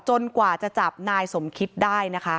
กว่าจะจับนายสมคิดได้นะคะ